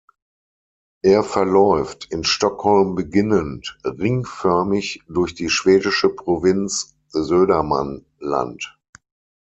Er verläuft, in Stockholm beginnend, ringförmig durch die schwedische Provinz Södermanland.